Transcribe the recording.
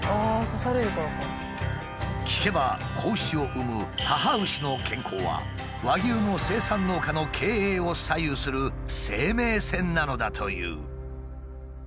聞けば子牛を産む母牛の健康は和牛の生産農家の経営を左右する生命線なのだという。